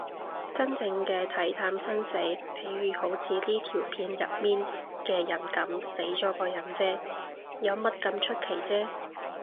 真正嘅睇淡生死，譬如好似呢條片入面嘅人噉，死咗個人嗟，有乜咁出奇啫